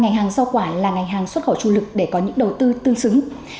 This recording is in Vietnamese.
ngành hàng rau quả là ngành hàng xuất khẩu trung lực để có những đầu tư tương xứng